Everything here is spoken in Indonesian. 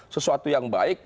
sesuatu yang baik